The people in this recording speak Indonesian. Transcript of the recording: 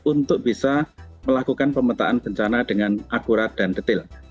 untuk bisa melakukan pemetaan bencana dengan akurat dan detail